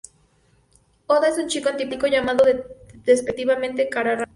Oda es un chico antipático, llamado despectivamente Cara-Rana.